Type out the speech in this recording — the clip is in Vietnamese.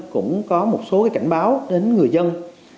cũng có một số cảnh báo đến người dân